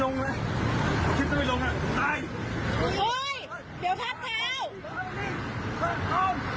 โอ้ยเดี๋ยวพักแล้ว